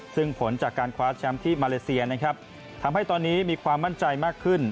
ซึ่งผลจากการคว้าแชมป์ที่มาเลเซียนะครับทำให้ตอนนี้มีความมั่นใจมากขึ้น